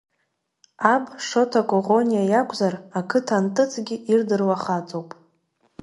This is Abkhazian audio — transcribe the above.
Аб Шоҭа Коӷониа иакәзар ақыҭа анҭыҵгьы ирдыруа хаҵоуп.